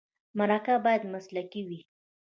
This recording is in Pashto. مرکه باید مسلکي وي.